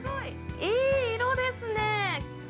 いい色ですね。